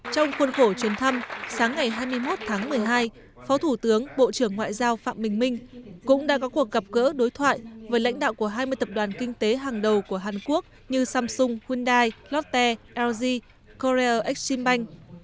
trong khuôn khổ chuyến thăm sáng ngày hai mươi một tháng một mươi hai phó thủ tướng bộ trưởng ngoại giao phạm bình minh cũng đã có cuộc gặp gỡ đối thoại với lãnh đạo của hai mươi tập đoàn kinh tế hàng đầu của hàn quốc như samsung hyundai lotte lzy koryer exim bank